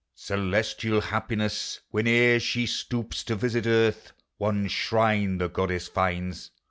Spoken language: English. (Celestial Happiness, whene'er she stoops To visit Earth, one shrine the goddess finds.